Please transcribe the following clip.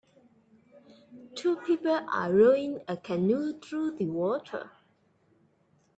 Two people are rowing a canoe through the water.